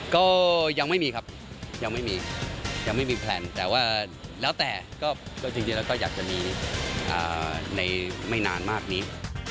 ก็ยังไม่มีครับยังไม่มียังไม่มีแพลนแต่ว่าแล้วแต่ก็จริงแล้วก็อยากจะมีในไม่นานมากนี้